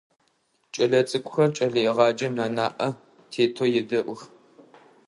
Кӏэлэцӏыкӏухэр кӏэлэегъаджэм анаӏэ тетэу едэӏух.